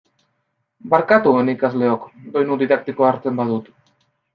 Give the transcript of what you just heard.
Barkatu, ene ikasleok, doinu didaktikoa hartzen badut.